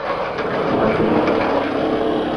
Baturité